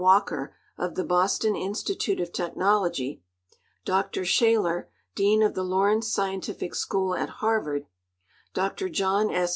Walker of the Boston Institute of Technology, Dr Shaler, dean of the Lawrence Scientific School at Harvard ; Dr John S.